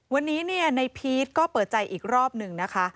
วันนี้ในพีชก็เปิดใจอีกรอบหนึ่งนะคะ